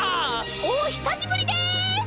お久しぶりです！